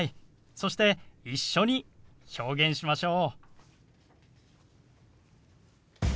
そして一緒に表現しましょう。